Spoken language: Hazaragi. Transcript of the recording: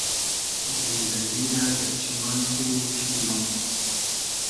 زیندئگی رۂ دۂ چیمای تو اوش مونوم